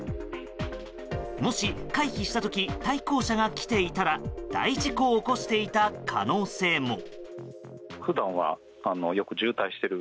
もし、回避した時対向車が来ていたら大事故を起こしていた可能性も。